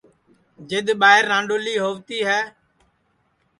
جِد ٻائیر رانڏولی ہووتی ہے